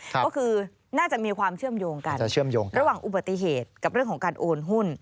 ก็คือน่าจะมีความเชื่อมโยงกันจะเชื่อมโยงระหว่างอุบัติเหตุกับเรื่องของการโอนหุ้น